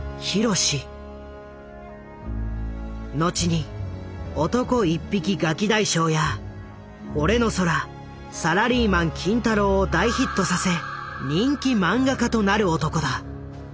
後に「男一匹ガキ大将」や「俺の空」「サラリーマン金太郎」を大ヒットさせ人気漫画家となる男だ。